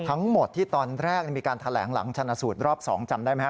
ทั้งหมดที่ตอนแรกมีการแถลงหลังชนะสูตรรอบ๒จำได้ไหมฮ